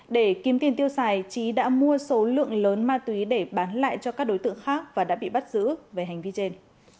để kiếm tiền tiêu xài trí đã mua số lượng lớn ma túy để bán lại cho các đối tượng khác và đã bị bắt giữ về hành vi trên